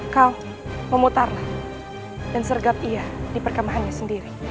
kau memutarlah dan sergap ia di perkemahannya sendiri